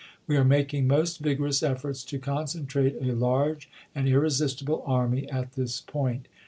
" We are making most vigorous efforts to concentrate a large and irresistible army at this point.